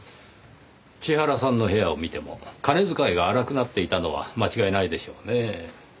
千原さんの部屋を見ても金遣いが荒くなっていたのは間違いないでしょうねぇ。